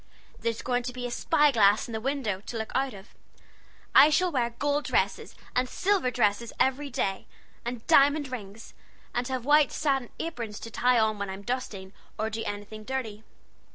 There's going to be a spy glass in the window, to look out of. I shall wear gold dresses and silver dresses every day, and diamond rings, and have white satin aprons to tie on when I'm dusting, or doing anything dirty.